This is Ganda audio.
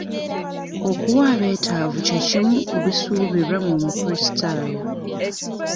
Okuwa abeetavu kye kimu ku bisuubirwa mu mukulisitayo.